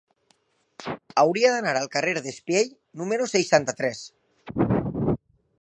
Hauria d'anar al carrer d'Espiell número seixanta-tres.